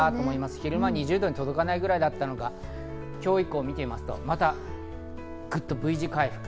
昼間、２０度に届かないぐらいだったのが今日以降を見てみますとぐっとＶ字回復。